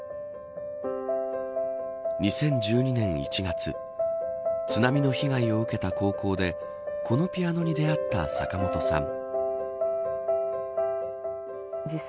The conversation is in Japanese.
２０１２年１月津波の被害を受けた高校でこのピアノに出会った坂本さん。